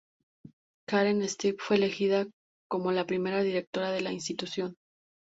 Karen Steen fue elegida como la primera directora de la institución.